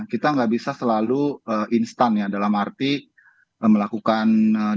kita gak bisa selalu instan ya dalam arti melakukan diaspora secara berat